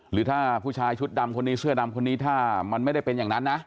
หรือถ้าผู้ชายชุดดำคนนี้เสื้อดำคนนี้ถ้ามันไม่ได้เป็นอย่างนั้นนะ